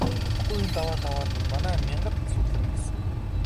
Удахгүй энэ даваа даваад манай мянгат цугларна гэсэн.